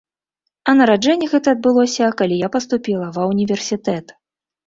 А нараджэнне гэта адбылося, калі я паступіла ва універсітэт.